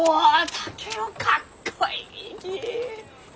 竹雄かっこいいき！